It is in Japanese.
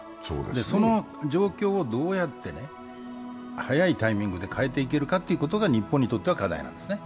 その状況をどうやって早いタイミングで変えていけるかが日本にとっては課題なんですね。